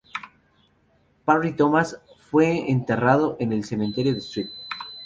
Parry-Thomas fue enterrado en el cementerio de St.